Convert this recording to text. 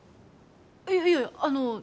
いやいやあの